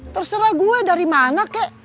terserah gue dari mana kek